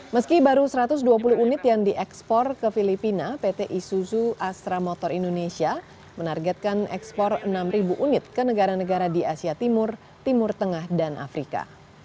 meski baru satu ratus dua puluh unit yang diekspor ke filipina pt isuzu astra motor indonesia menargetkan ekspor enam unit ke negara negara di asia timur timur tengah dan afrika